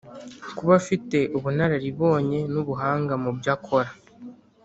kuba afite ubunararibonye n ubuhanga mubyo akora